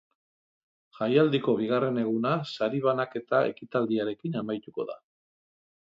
Jaialdiko bigarren eguna sari banaketa ekitaldiarekin amaituko da.